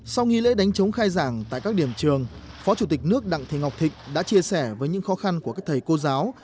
sau nghi lễ đánh chống khai giảng tại các điểm trường phó chủ tịch nước đặng thị ngọc thịnh đã chia sẻ với những khó khăn của các thầy cô giáo